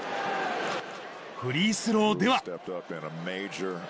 フリースローでは。